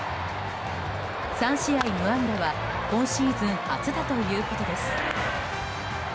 ３試合無安打は今シーズン初だということです。